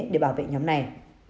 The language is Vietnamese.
để bảo vệ nhóm này